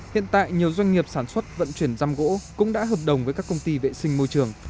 hiện tại nhiều doanh nghiệp sản xuất vận chuyển giam gỗ cũng đã hợp đồng với các công ty vệ sinh môi trường